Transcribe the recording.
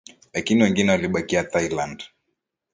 lakini wengine walibakia Thailand